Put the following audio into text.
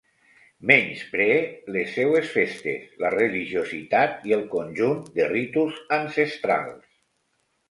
Menyspree les seues festes, la religiositat i el conjunt de ritus ancestrals.